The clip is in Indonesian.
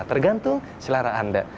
tergantung selera anda